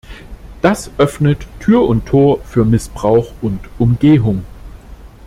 Das öffnet Tür und Tor für Missbrauch und Umgehung.